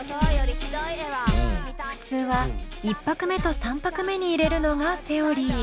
普通は１拍目と３拍目に入れるのがセオリー。